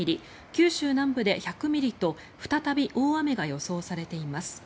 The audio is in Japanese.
九州南部で１００ミリと再び大雨が予想されています。